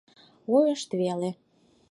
Ойышт веле.